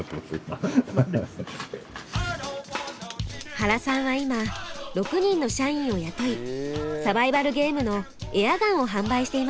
原さんは今６人の社員を雇いサバイバルゲームのエアガンを販売していました。